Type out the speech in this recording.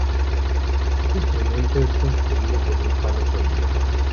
Este instrumento es construido con un palo sólido.